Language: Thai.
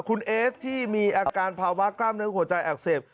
คุณเอสที่มีอาการภาวะกล้ามเนื้อหัวใจอักเสบ